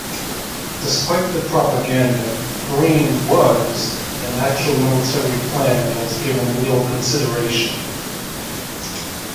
Despite the propaganda, Green "was" an actual military plan that was given real consideration.